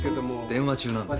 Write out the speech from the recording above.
電話中なんです。